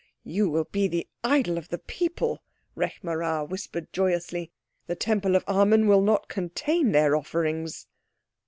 "You will be the idol of the people," Rekh marā whispered joyously; "the Temple of Amen will not contain their offerings."